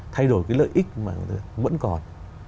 thay đổi cái lợi ích mà vẫn còn